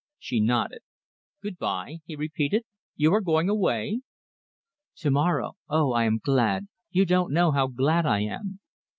She nodded. "Good bye!" he repeated. "You are going away?" "To morrow. Oh! I am glad. You don't know how glad I am."